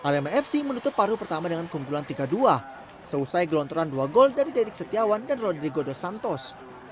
rmafc menutup paruh pertama dengan keunggulan tiga dua seusai gelontoran dua gol dari dedik setiawan dan rodrigo dos santos